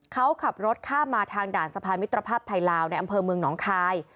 เขาขับรถข้ามมาทางด่านสะพานมิตรภาพไทยลาวในอำเภอเมืองหนองคาย